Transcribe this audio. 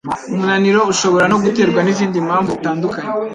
Umunaniro ushobora no guterwa n'izindi mpamvu zitandukanye